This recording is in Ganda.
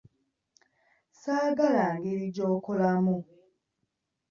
Saagala ngeri gy'okolamu.